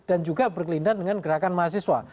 dan juga berkelindahan dengan gerakan mahasiswa